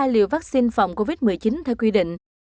hai liều vaccine phòng covid một mươi chín theo quy định